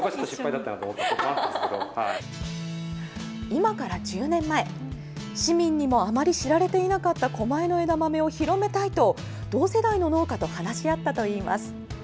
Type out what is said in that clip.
今から１０年前、市民にもあまり知られていなかった狛江の枝豆を広めたいと、同世代の農家と話し合ったといいます。